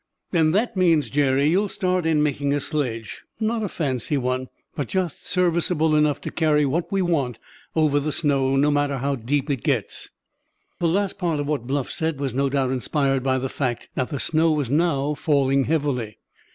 "Then that means, Jerry, you'll start in making a sledge; not a fancy one, but just serviceable enough to carry what we want over the snow, no matter how deep it gets." The last part of what Bluff said was no doubt inspired by the fact that the snow was now falling heavily.